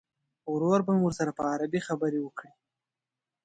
ورور به مې ورسره په عربي خبرې وکړي.